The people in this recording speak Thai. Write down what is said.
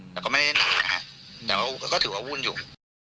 แต่ก็ไม่ได้หนาแต่ก็ถือว่าวุ่นอยู่